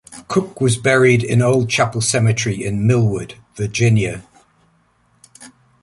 Cooke was buried in Old Chapel Cemetery in Millwood, Virginia.